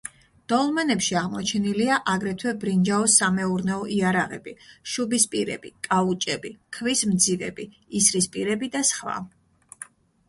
დოლმენებში აღმოჩენილია აგრეთვე ბრინჯაოს სამეურნეო იარაღები, შუბისპირები, კაუჭები, ქვის მძივები, ისრისპირები, და სხვა.